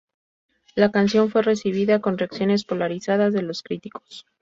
La canción fue recibida con reacciones polarizadas de los críticos.